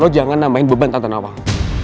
lo jangan nambahin beban tante nawang